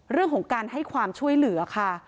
เรื่องของการให้ความช่วยเหลือค่ะ